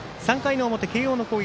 ３回の表、慶応の攻撃。